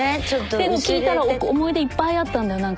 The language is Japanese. でも聞いたら思い出いっぱいあったんだよ何か。